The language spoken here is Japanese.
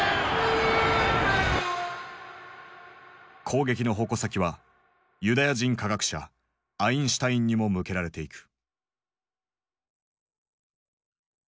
攻撃の矛先はユダヤ人科学者アインシュタインにも向けられていく。